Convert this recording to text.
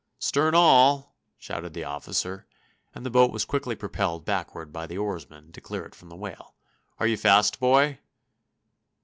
"Stern all!" shouted the officer; and the boat was quickly propelled backward by the oarsmen, to clear it from the whale. "Are you fast, boy?"